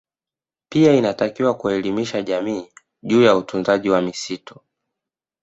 Pia inatakiwa kuelimisha jamii juu ya utunzaji wa misitu